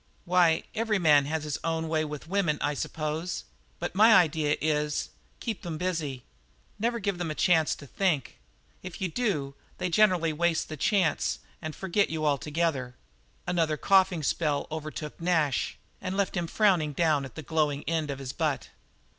"Why, every man has his own way with women, I suppose, but my idea is, keep them busy never give them a chance to think. If you do, they generally waste the chance and forget you altogether." Another coughing spell overtook Nash and left him frowning down at the glowing end of his butt.